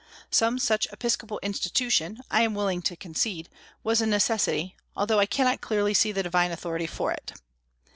Some such episcopal institution, I am willing to concede, was a necessity, although I cannot clearly see the divine authority for it.